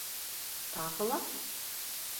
— Тағы ла?